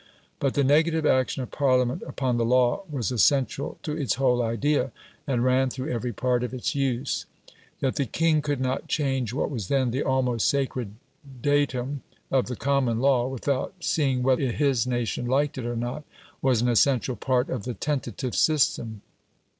But the negative action of Parliament upon the law was essential to its whole idea, and ran through every part of its use. That the king could not change what was then the almost sacred datum of the common law, without seeing whether his nation liked it or not, was an essential part of the "tentative" system.